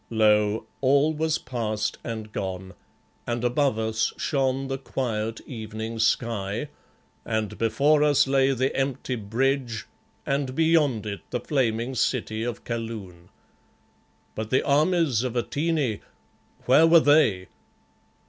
Lo! all was past and gone, and above us shone the quiet evening sky, and before us lay the empty bridge, and beyond it the flaming city of Kaloon. But the armies of Atene, where were they?